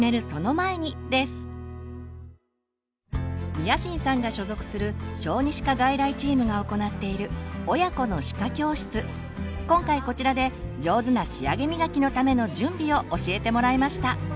宮新さんが所属する小児歯科外来チームが行っている今回こちらで上手な仕上げみがきのための準備を教えてもらいました。